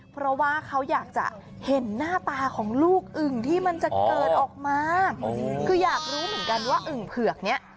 เพราะว่าเขาอยากจะเห็นหน้าตาของลูกอึ่งที่มันจะเกิดออกมาคืออยากรู้เหมือนกันว่าอึ่งเผือกนี้